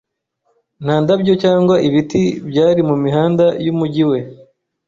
Nta ndabyo cyangwa ibiti byari mu mihanda y'umujyi we.